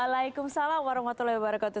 waalaikumsalam warahmatullahi wabarakatuh